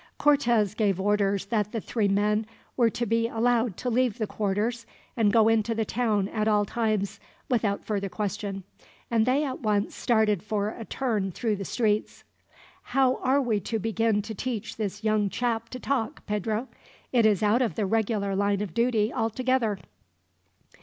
Cortez gave orders that the three men were to be allowed to leave the quarters and go into the town at all times, without further question; and they at once started for a turn through the streets. "How are we to begin to teach this young chap to talk, Pedro? It is out of the regular line of duty, altogether."